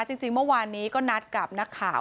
จริงเมื่อวานนี้ก็นัดกับนักข่าว